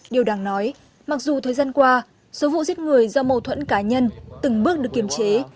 điều đáng nói mặc dù thời gian qua số vụ giết người do mâu thuẫn cá nhân từng bước được kiềm chế